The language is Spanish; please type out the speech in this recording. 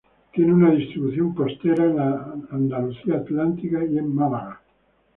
Tiene una distribución costera en la Andalucía atlántica y en Málaga.